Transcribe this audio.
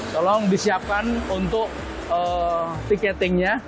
tolong disiapkan untuk tiketingnya